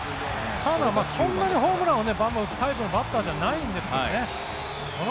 ターナーはそんなにホームランをバンバン打つタイプのバッターじゃないんですけどね。